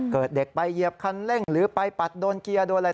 เด็กไปเหยียบคันเร่งหรือไปปัดโดนเกียร์โดนอะไร